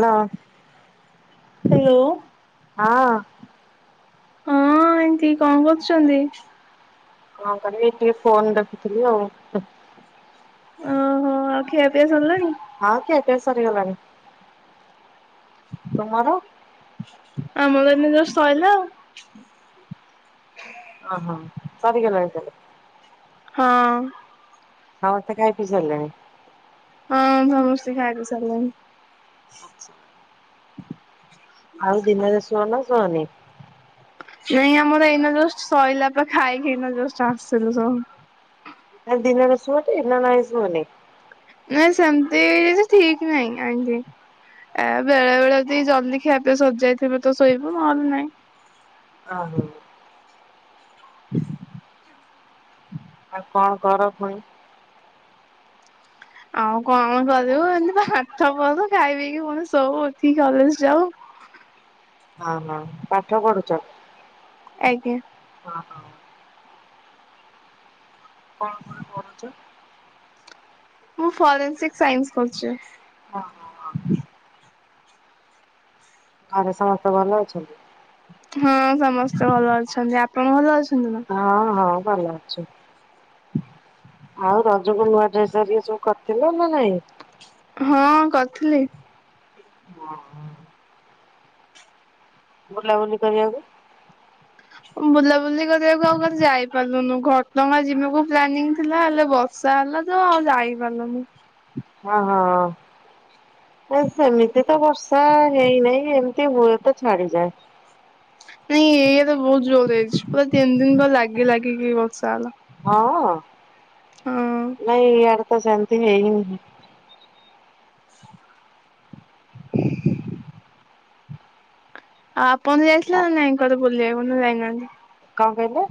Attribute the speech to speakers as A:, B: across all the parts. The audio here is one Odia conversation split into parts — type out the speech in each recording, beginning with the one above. A: ହଁ।
B: ହେଲୋ‌।
A: ହଁ।
B: ହଁ ଆଣ୍ଟି କଣ କରୁଛନ୍ତି?
A: କଣ କରିବି ଏଇଟି ଟିକେ ଫୋନ୍ ଦେଖୁଥିଲି ଆଉ।
B: ଓ ହୋ ଆଉ ଖିଆ ପିଆ ସରିଲାଣି?
A: ହଁ ଖିଆ ପିଆ ସରିଗଲାଣି ତମର?
B: ଆମର ଏଇନେ ଜଷ୍ଟ୍ ସଇଲା ଆଉ।
A: ଓ ହୋ ସରିିଗଲାଣି ତାହେଲେ?
B: ହଁ।
A: ସମସ୍ତେ ଖାଇ ପି ସାରିଲେଣି?
B: ହଁ ସମସ୍ତେ ଖାଇ ପି ସାରିଲେଣି।
A: ଅଛା। ଆଉ ଦିନେରେ ଶୁଅନା ଶୁଅନି?
B: ନାଇଁ ଆମର ଏଇନା ଜଷ୍ଟ୍ ସଇଲା ପା ଖାଇକି ଏଇନା ଜଷ୍ଟ୍ ଆସୁଥିଲୁ ସବୁ।
A: ଆଉ ଦିନେରେ ଶୁଅଟି ନାଁ ନାହିଁ ଶୁଅନି?
B: ନାଁ ସେମତି କିଛି ଠିକ୍ ନାହିଁ ଆଣ୍ଟି। ଏ ବେଳେ ବେଳେ ଯଦି ଜଲଦି ଖିଆ ପିଆ ସରିଯାଇଥିବ ତ ଶୋଇବୁ ନହେଲେ ନାଇଁ।
A: ଓ ହୋ। ଆଉ କଣ କର ପୁଣି?
B: ଆଉ କଣ କରିବୁ ଏମିତି ପାଠ ପଢୁ ଖାଇ ପିଇକି ପୁଣି ଶୋଉ ଉଠିକି କଲେଜ୍ ଯାଉ।
A: ହଁ ହଁ ପାଠ ପଢୁଛ?
B: ଆଜ୍ଞା।
A: ଓ ହୋ। କଣ କଣ ପଢୁଛ?
B: ମୁଁ ଫରେନ୍ସିକ୍ ସାଇନ୍ସ୍ କରୁଛି।
A: ଓ ହୋ। ଘରେ ସମସ୍ତେ ଭଲ ଅଛନ୍ତି?
B: ହଁ ସମସ୍ତେ ଭଲ ଅଛନ୍ତି ଆପଣ ଭଲ ଅଛ
A: ହଁ ହଁ ଭଲ ଅଛୁ। ଆଉ ରଜକୁ ନୂଆ ଡ୍ରେସ୍ ଘରିଆ ସବୁ କରିଥିଲ ନା ନାହିଁ?
B: ହଁ କରିଥିଲି।
A: ଓ ହୋ। ବୁଲାବୁଲି କରିବାକୁ
B: ବୁଲାବୁଲି କରିବାକୁ ଆଉ କୁଆଡେ ଯାଇ ପାରିଲୁନୁ ଘଟ ଗାଁ ଯିବାକୁ ପ୍ଲାନିଂ ଥିଲା ହେଲେ ବର୍ଷା ହେଲା ତ ଆଉ ଯାଇ ପାରିଲୁନୁ।
A: ହଁ ହଁ। ନା ସେମିତି ତ ବର୍ଷା ହେଇ ନାହିଁ ଏମିତି ହୁଏ ତ ଛାଡିଯାଏ। ହ [inaudible]
B: ନାଇଁ ଏଇଆଡେ ବହୁତ ଜୋରେ ହେଇଛି ପୁରା ତିନି ଦିନ ପୁରା ଲାଗି ଲାଗିକି ବର୍ଷା ହେଲା।
A: ହଁ
B: ହଁ ଆଉ
A: ନାଇଁ ଇଆଡେ ତ ସେମିତି ହେଇନି।
B: [inaudible] ଆଉ ଆପଣ ଯାଇଥିଲେ
A: କଣ
B: ନା ନାହିଁ କୁଆଡେ ବୁଲିବାକୁ ନା ଯାଇ ନାହାନ୍ତି?
A: କଁ କହିଲେ?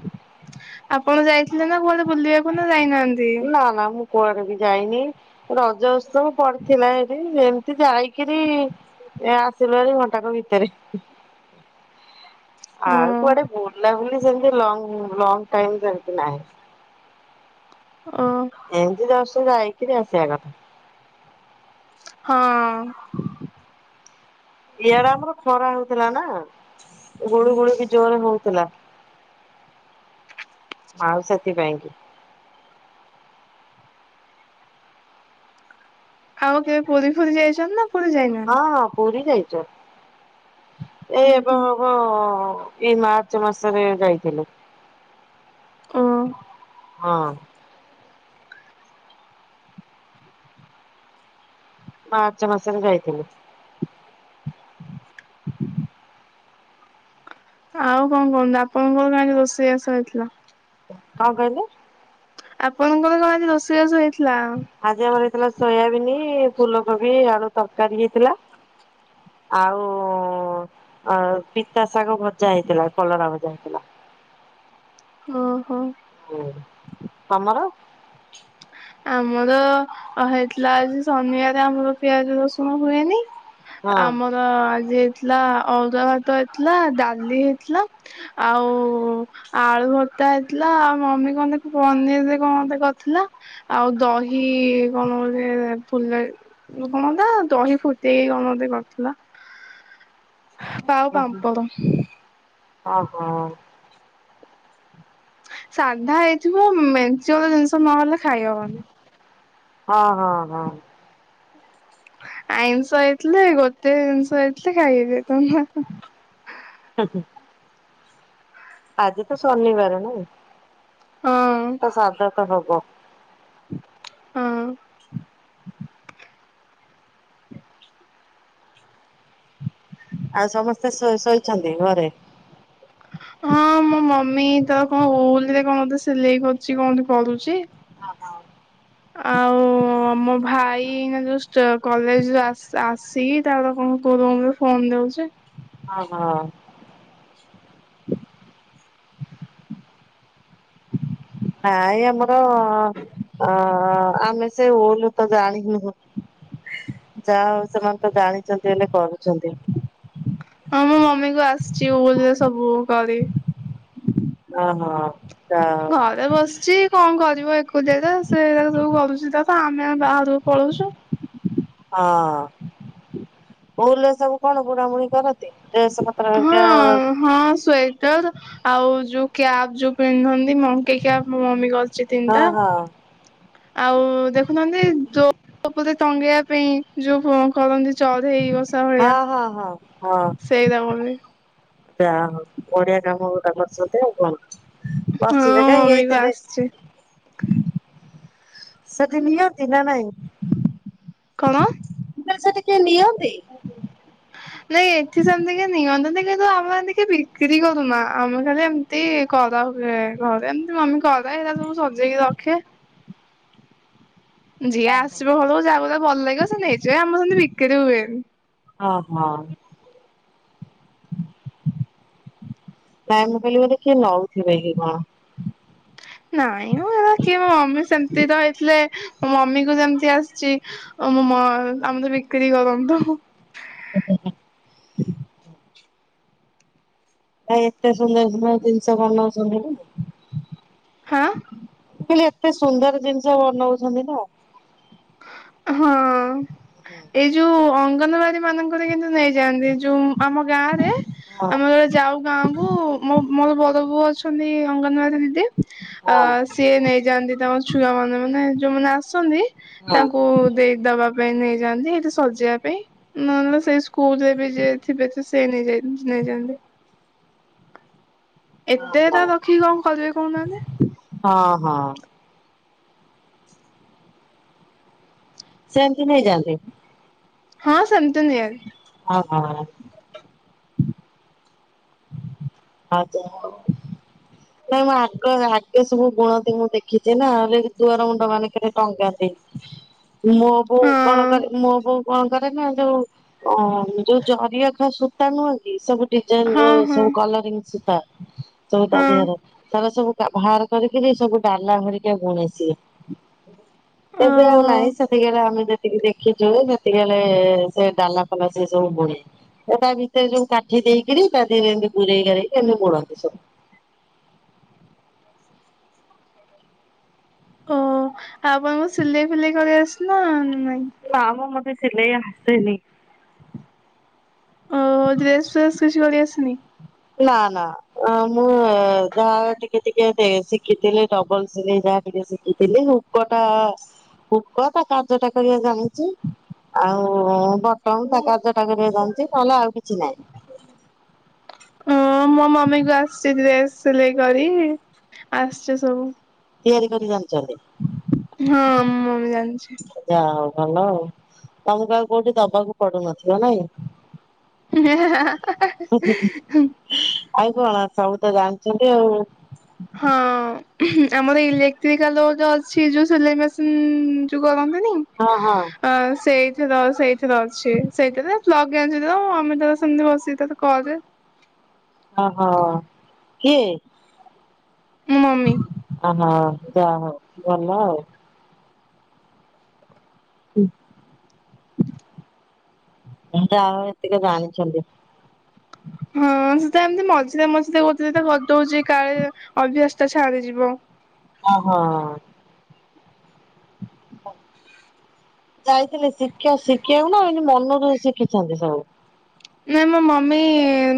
B: ଆପଣ ଯାଇଥିଲେ ନା କୁଆଡେ ବୁଲିବାକୁ ନା ଯାଇନାହାନ୍ତି?
A: ନା ନା ମୁଁ କୁଆଡେ ବି ଯାଇନି ରଜ ଉତ୍ସବ ପଡିଥିଲା ଏଇଠି ଯେମ ଏମିତି ଯାଇକିରି ଆସିଲୁ ଭାରି ଘଣ୍ଟାକ ଭିତରେ।
B: ଓ
A: ଆଉ କୁଆଡେ ବୁଲା ବୁଲି ସେମିତି ଲଙ୍ଗ୍ ଲଙ୍ଗ୍ ଟାଇମ୍ ସେମିତି ନାହିଁ।
B: ହଁ
A: ଏମିତ ଜଷ୍ଟ ଯାଇଥିଲି ଅପେକ୍ଷା କରି
B: ହଁ।
A: ଇଆଡେ ଆମର ଖରା ହଉଛି ଥିଲା ନା ଗୁଳୁ ଗୁଳି ବି ଜୋରେ ହଉଥିଲା। ଆଉ ସେଥିପାଇଁ କି
B: ଆଉ କେବେ ପୁରୀ ଫୁରୀ ଯାଇଛନ୍ତି ନା? ପୁରୀ
A: ହଁ
B: ଯାଇନାହାନ୍ତି?
A: ହଁ ପୁରୀ ଯାଇଛ ଏଇଏବେ ହବ ଏଇ ମାର୍ଚ୍ଚ ମାସରେ ଯାଇଥିଲୁ।
B: ଓ।
A: ହଁ। ମାର୍ଚ୍ଚ ମାସରେ ଯାଇଥିଲି।
B: ଆଉ କଣ କହନ୍ତୁ, ଆପଣଙ୍କ ଘରେ କଣ ରୋଷେଇ ଆସ ହେଇଥିଲା?
A: କଣ କହିଲେ?
B: ଆପଣଙ୍କର କଣ ଆଜି ରୋଷେଇବାସ ହେଇଥିଲା?
A: ଥିଲା ସୋୟାବିନ୍ ଫୁଲକୋବି ଆଳୁ ତରକାରୀ ହେଇଥିଲା। ଆଉ ଅ ପିତା ଶାଗ ଭଜା ହେଇଥିଲା କଲରା ଭଜା ହେଇଥିଲା। [inaudible]
B: ଓ ହୋ।
A: ହଁ ତମର?
B: [inaudible] ଆମର ହେଇଥିଲା ଆଜି ଶନିବାରେ ଆମର ପିଆଜ ରସୁଣ ହୁଏନି
A: ହଁ
B: ଆମର ଆଜି ଥିଲା ଅରୁଆ ଭାତ ହେଇଥିଲା ଡାଲି ହେଇଥିଲା ଆଉ ଆଳୁ ଭ ତା ହେଇଥିଲା ଆଉ ମମି କଣ ତାର ପନିର କଣ ଗଟେ କରି ଥିଲା ଆଉ ଦହି କଣ ଗଟେ ଫୁଲ କଣ ଦହି ଫୁ ଦେଇ କଣ ଗଟେ କରିଥିଲା।
A: [inaudible]
B: ପାଉ ପାମ୍ପଡ଼।
A: ଓ ହୋ।
B: ସାଧା ହେଇଥିବ ମେଞ୍ଚେ ଗୁରେ ଜିନିଷ ନହେଲେ ଖାଇ ହବନି।
A: ହଁ ହଁ ହଁ।
B: ଆଇଁଷ ହେଇଥିଲେ ଗୋଟେ ଜିନିଷ ହେଇଥିଲେ ଖାଇ ହେଇଯାଇଥାନ୍ତା।
A: ଆଜି ତ ଶନିବାର ନାଇ
B: ହଁ
A: ତ ସାଦ ତ ହବ
B: ହଁ।
A: [inaudible] ଆଉ ସମସ୍ତେ ଶୋଇଛନ୍ତି ଘରେ?
B: ହଁ ମୋ ମମି ତ କଣ ଓଲରେ କଣ ମ ସିଲେଇ କରୁଛି, କଣ କରୁଛି ଆଉ ଓ ମୋ ଭାଇ ନା ଯୋଉ କଲେଜ ଆସି ତା ଲୋକ କ ଫୋନ ନଉଛ
A: ହଁ ହଁ। ହଁ ଏଇ ଆମର ହ ଆମେ ସେ ହଲୁ ତ ଜାଣିନୁ ଯାହାଉ ସେମାନେ ତ ଜାଣିଛନ୍ତି ବୋଲିଲେ କରୁଛନ୍ତି
B: ହଁ ମ ମମି କୁ ଆସିଛିରେ ସବୁ କରି
A: ହ ହଁ।
B: ଘରେ ବସିଛି କଣ କର ଯ ଏକୁ ଯାଇ ସୋ ସବୁ ଗଲୁଛି, ତ ତ ଆମେ ବାହାରକୁ ପଳଉଛୁ।
A: ହଁ ଭଲ ସବୁ କଣ ବୁଣା ବୁଣି କରନ୍ତି? ଡ୍ରେସ ପତ୍ର ହକା
B: ହଁ ହଁ [unintelligible] ଆଉ ଯୋଉ କ୍ୟାପ୍ ଯୋଉ ପିନ୍ଧନ୍ତି ମଙ୍କି କ୍ୟାପ ମୋ ମମି
A: ହଁ
B: ତିନିଟା
A: ହଁ।
B: ଆଉ ଦେଖୁନାହାନ୍ତି ଯୋ କପୁଲି ରେ ଟଙ୍ଗେଇବା ପାଇଁ ଯୋଉ କରନ୍ତି ଚଢ଼େଇ ବସ୍
A: ହଁ ହଁ ହଁ।
B: ସେଇଦାମବି
A: ଡ୍ୟାମ ପଡିଆ କାମ ଗୋଟା କରଛନ୍ତି ଆଉ କଣ
B: ହଁ
A: ବସି ବେ କାହିଁକି
B: ମମିକୁ
A: ଏଇଥରେ
B: ଆସିଛି।
A: ସେଥି ନିଅତି ନା ନାଇ।
B: କଣ?
A: ସେଠି କିଏ ନିଅ
B: ନାଇ ଏଠି ସେମିତି କେଇ ନିଅନ୍ତିନି। କିନ୍ତୁ ଆମେ ହେମିତି ବିକ୍ରି କରୁନା ଆମେ ଖାଲି ଏମତି କରା ହୁଏ ଘରେ ଏମତି ମମି କ କରେ ହେରା ସବୁ ସଜେଇକି ରଖେ। ଯିଏ ଆସିବ ଘଳକୁ ଯାକୁ ଯାହା ଭଲ ଲାଗିବ ସେ ନେଇଯିବେ ଆମର ସେମିତି ବିକ୍ରି ହୁଏନି।
A: ହଁ ହଁ। ନାଇ ମୁଁ କହିଲି ବୋଧେ କିଏ ନଉଥିବେ କି କଣ?
B: ନାଇଁ ମ ହେରା କି ମୋ ମମି ସେମିତି ତ ହେଇଥିଲେ ମୋ ମମି କୁ ଯେମିତି ଆସିଛି ଆମ ମ ଆମେ ତ ବିକ୍ରି କରନ୍ତୁ।
A: ହୁଁ ହୁଁ ହଁ। ଏତେ ସୁନ୍ଦର ସୁନ୍ଦର ଜିନିସ ବନଉଛନ୍ତି ନା।
B: ହଁ।
A: କହିଲି ଏତେ ସୁନ୍ଦର ଜିନିଷ ବନଉଛନ୍ତି ତ।
B: ହଁ ଏଇ ଯୋଉ ଅଙ୍ଗନାବାଡି ମାନଙ୍କରେ କିନ୍ତୁ ନେଇଯାଆନ୍ତି ଯୁ ଆମ ଗାଁ ରେ
A: ହଁ
B: ଆମେ ଯାଉ ଗାଁ କୁ ମୋ ମୋର ବଡ ବୋଉ ଅଛନ୍ତି ଅଙ୍ଗନବାଡ଼ି ଦିଦି ଅ ସିଏ ନେଇଯାଆନ୍ତି ତମ ଛୁଆ ମାନେ ମାନେ ଯୋଉମାନେ ଆସନ୍ତି
A: ହଁ।
B: ଓ ଦେଇ ଦବା ପାଇଁ ନେଇଯାନ୍ତି ହେଠି ସଜେଇବା ପାଇଁ ନହେଲେ ସେଇ ସ୍କୁଲ ରେ ବି ଯିଏ ଥିବେ ସେ ନେଇଯାଇ ନେଇଯାଆନ୍ତି।
A: [inaudible]
B: ଏତେ
A: ଓହୋ।
B: ଟା ରଖିକି କଣ କରିବେ କହୁନାହାନ୍ତି?
A: ହଁ ହଁ। ସେମିତି ନେଇଯାନ୍ତି।
B: ହଁ ସେମିତି ନିଅନ୍ତି।
A: ହଁ ହଁ। ଆଜା ନାଇଁ ମୁଁ ଆଗଆଗେ ସବୁ ବୁଣତି ମୁଁ ଦେଖିଛି ନହେଲେ ଦୁଆର ମୁଣ୍ଡ ମାନଙ୍କରେ ଟଙ୍ଗାନ୍ତି। ମୋ ବୋଉ କଣ
B: ହଁ
A: କରେ ମୋ ବୋଉ କଣକରେ ନା ଯୋଉ ଯୋଉ ଜରିଅଖା ସୂତା ନୁହକି ସବୁ ଡିଜାଇନ
B: ହଁ
A: ଯୋଉ
B: ହଁ
A: ସବୁ କଲରୀଙ୍ଗ ସୂତା ସବୁ ତା
B: ହଁ
A: ଦିହରେ ତାରା ସବୁ ବାହାର କରି କି ସବୁ ଡାଲା ହରିକା ବୁଣେ ସିଏ। ଏବେ ଆଉ
B: ଓହୋ
A: ନାହିଁ ସେଠିକାରେ ଆମେ ଯେ ଯେତିକି ଦେଖିଛୁ ସେତିବେଳେ ସେ ଡାଲା ଫାଲା ସେ ସବୁ ବୁଣେ ସେଟା ଭିତରେ ଯୋଉ କାଠି ଦେଇକିରି ସୂତା ଦେଇ ଗୁରଇଗାରେଇ ଏମତି ବୁଣତି ସବୁ।
B: ଓ ଆପଣଙ୍କୁ ସିଲେଇ ଫିଲେଇ କରି ଆସ ନା ନାଇଁ
A: ନାମ ମୋତେ ସିଲେଇ ଆସେନି
B: ଓ ହୋ ଡ୍ରେସ ଫ୍ରେସ କିଛି କରିଆସେନି?
A: ନା ନା ମୁଁ ଯାହା ଟିକେ ଟିକେ ଶିଖିଥିଲି ଡବଲ ସିଲେଇ ଯା ଟିକେ ଶିଖିଥିଲି ହୁକ ଟା ହୁକ ତା କାଜ ଟା କରିବା ଜାଣିଚି। ଆଉ ବଟମ୍ ତା କାଜ ଟା କରିବା ଜାଣିଚି ନହେଲେ ଆଉ କିଛି ନାଇଁ।
B: ଓ ମୋ ମମିକୁ ଆସୁଚି ଡେସ୍ ସିଲେଇ କରି ଆସୁଚି ସବୁ।
A: ତିଆରି କରି ଜାଣିଚନ୍ତି?
B: ହଁ ମମି ଜାଣିଚି।
A: ଯାହା ହଉ ଭଲ ଆଉ ତମକୁ ଆଉ କୋଉଠି ଦବାକୁ ପଡୁନଥିବ ନାଇଁ?
B: ହେ ହାଁ ହେଁ ହାଁ ହୁଁ।
A: ଆଉ କଣ ସବୁ ତ ଜାଣିଚନ୍ତି ଆଉ।
B: ହୁଁ ଆମର ଇଲେଟ୍ରିକାଲ ଯୋଉ ଗୋଟେ ଅଛି ଯୋଉ ସିଲେଇ ମେସିନ ଯୋଉ କରନ୍ [unintelligible]
A: ହଁ ହଁ
B: ଆ ସେଇଥିର ସେଇଥିରେ ଅଛି ସେଇଥିରେ ପ୍ଲକ୍ ଗେଞ୍ଜି ଦେବ ମମି ତାର ସେମତି ବସିକି କରେ।
A: ଓଃ ହୋ କିଏ?
B: ମୋ ମମି।
A: ହଁ ଯାହା ହଉ ଭଲ ଆଉ। ହୁଁ। ଯାହା ହଉ ଏତିକ ଜାଣିଛନ୍ତି।
B: ହଁ ସେ ତ ଏମିତି ମଝିରେ ମଝିରେ ଗୋଟେ ଦିଟା କରି ଦେଉଚି କାଳେ ଅଭ୍ୟାସ ଟା ଛାଡିଯିବ।
A: ଅଁ ହୋ। ଯାଇଥିଲେ ଶିଖା ଶିଖିବାକୁ ନା ଏମିତି ମନରୁ ଶିଖିଚିନ୍ତି ସବୁ?
B: ନାଇଁ ମୋ ମମି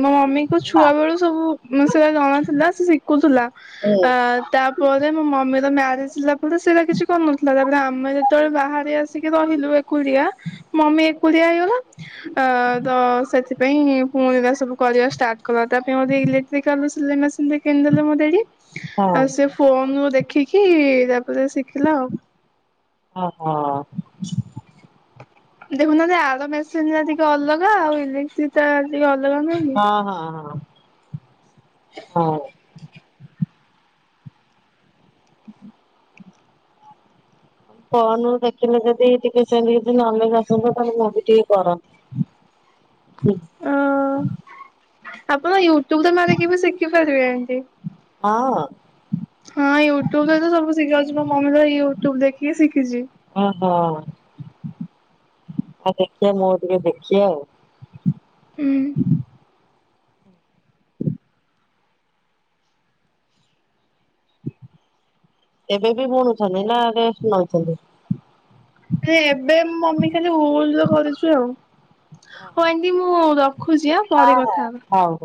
B: ମୋ ମମିକୁ
A: ନା
B: ଛୁଆବେଳୁ ସବୁ ଉଁ ସେରା ଜଣା ଥିଲା। ସେ ଶିଖୁଥିଲା
A: ହୁଁ
B: ଆ ତା ପରେ ମୋ ମମିର ମ୍ୟାରେଜ ହେଲା। ସେଟା ସେରା କିଛି କରୁନଥିଲା ତା ପରେ ଆମେ ଯେତେବେଳେ ବାହାରେ ଆସିକି ରହିଲୁ ଏକୁଟିଆ। ମମି ଏକୁଟିଆ ହେଇଗଲା ଆ ତ ନାଇଁ ପୁଣି ଏରା ସବୁ କରିବା ଷ୍ଟାଟ କଲା ତା ପାଇଁ ଗୋଟେ ଇଲେଟ୍ରିକାଲ ସିଲେଇ ମେସିନ ଦେ କିଣି ଦେଲେ ମୋ ଡାଡି। ଆଉ
A: ହଁ।
B: ସେ ଫୋନ ରୁ ଦେଖି ଖି ତା ପରେ ଶିଖିଲା ଆଉ।
A: ଓହୋ
B: ଦେଖୁନାହାନ୍ତି ଆର ମେସିନ ରା ଟିକେ ଅଲଗା ଆଉ ଇଲେଟ୍ରିକାଲ ଟିକେ ଅଲଗା ନୁହେଁ କି?
A: ହଁ ହଁ ହଁ ହଁ। ଫୋନ ରୁ ଦେଖିଲେ ଯଦି ଟିକେ ସେମିତି କିଛି ନଲେଜ ଆସନ୍ତା। ତାହେଲେ ମୁଁ ବି ଟିକେ କରନ୍ତି।
B: ଅ
A: ହୁଁ।
B: ଆପଣ ୟୁଟ୍ୟୁବରେ ମାରିକି ବି ଶିଖିପାରିବେ ଏମିତି।
A: ହଁ।
B: ହଁ ୟୁଟ୍ୟୁବରେ ତ ସବୁ ଶିଖା ଯାଉଚି। ମୋ ମମି ତାର ୟୁଟ୍ୟୁବ ଦେଖି ଶିଖିଚି।
A: ଓଃହୋ। ଆଉ ଦେଖିବା ମୁଁ ଟିକେ ଦେଖିବି ଆଉ। ଏବେ ବି ବୁଣୁଛନ୍ତି ନା ରେଷ୍ଟ୍ ନଉଚନ୍ତି।
B: ନାଇଁ ଏବେ ମମି ଖାଲି ଉଲ୍ ର କରିଚୁ ଆଉ। ହଉ ଆଣ୍ଟି ମୁଁ ରଖୁଚି ଆଁ
A: ହଁ
B: ପରେ
A: ହଁ
B: କଥା ହେବା।
A: ହଉ।